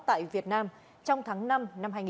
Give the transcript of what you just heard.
tại việt nam trong tháng năm năm hai nghìn hai mươi